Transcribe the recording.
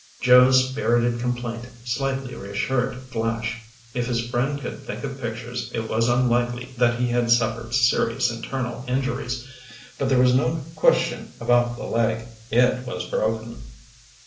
Joe's spirited complaint slightly reassured Flash. If his friend could think of pictures, it was unlikely that he had suffered serious internal injuries. But there was no question about the leg. It was broken.